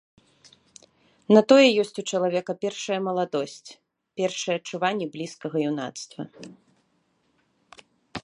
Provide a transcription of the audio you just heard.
На тое ёсць у чалавека першая маладосць, першыя адчуванні блізкага юнацтва.